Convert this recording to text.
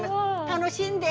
楽しんで！